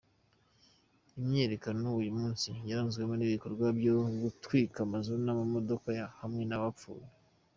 Imyiyerekano y'uyu munsi yaranzwemo ibikorwa byo gutwika amazu n'amamodoka hamwe n'abapfuye.